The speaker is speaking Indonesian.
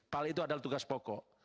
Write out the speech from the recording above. pal itu adalah tugas pokok